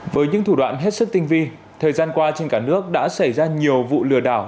với những thủ đoạn hết sức tinh vi thời gian qua trên cả nước đã xảy ra nhiều vụ lừa đảo